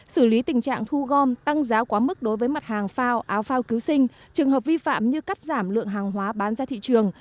xử lý tình trạng thu gom tăng giá quá mức đối với mặt hàng phao áo phao cứu sinh trường hợp vi phạm như cắt giảm lượng hàng hóa bán ra thị trường